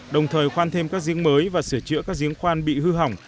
đồng thời khoan thêm các giếng mới và sửa chữa các giếng khoan bị hư hỏng